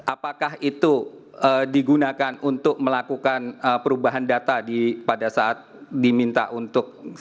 apakah itu digunakan untuk melakukan perubahan data pada saat diminta untuk